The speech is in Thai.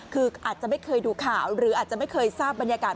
คืออาจจะไม่เคยดูข่าวหรืออาจจะไม่เคยทราบบรรยากาศ